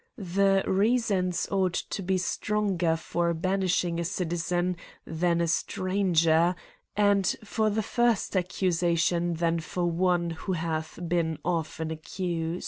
The reasons ought to be strong er for banishing a citizen than a stranger, and for the first accusation than for one who hath been often accused.